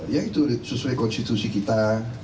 ya itu sesuai konstitusi kita